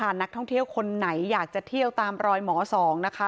นักท่องเที่ยวคนไหนอยากจะเที่ยวตามรอยหมอสองนะคะ